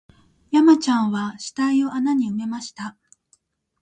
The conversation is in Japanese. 山ちゃんは死体を穴に埋めました